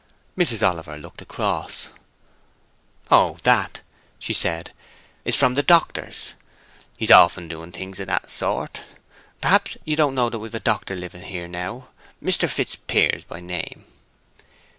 Mrs. Oliver looked across. "Oh, that," she said, "is from the doctor's. He's often doing things of that sort. Perhaps you don't know that we've a doctor living here now—Mr. Fitzpiers by name?"